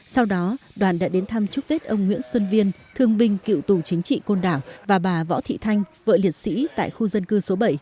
sau đó đoàn đã đến thăm chúc tết ông nguyễn xuân viên thương binh cựu tù chính trị côn đảo và bà võ thị thanh vợ liệt sĩ tại khu dân cư số bảy